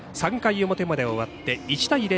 ３回表まで終わって１対０。